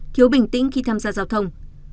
thiếu bình tĩnh khi tham gia giao thông